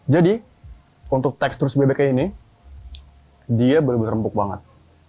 jadi untuk tekstur sebebeknya ini dia berubah ubah empuk banget